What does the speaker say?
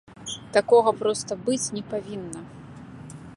Такога проста быць не павінна!